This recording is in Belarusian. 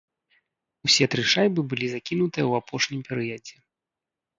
Усе тры шайбы былі закінутыя ў апошнім перыядзе.